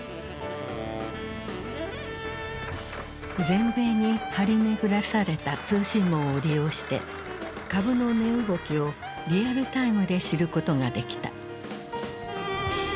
全米に張り巡らされた通信網を利用して株の値動きをリアルタイムで知ることができた。